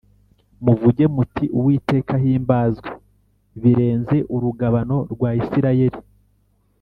muvuge muti ‘Uwiteka ahimbazwe birenze urugabano rwa Isirayeli.’